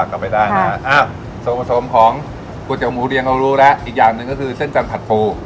กลับไปได้นะส่วนผสมของก๋วยเตี๋หมูเรียงเรารู้แล้วอีกอย่างหนึ่งก็คือเส้นจันทร์ผัดฟู